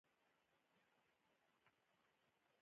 د دېرش ځوانو شخصیتونو په لړ کې یې حقوق بشر فعالیت کاوه.